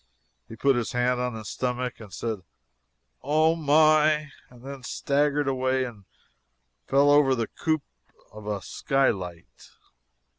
He put his hand on his stomach and said, "Oh, my!" and then staggered away and fell over the coop of a skylight.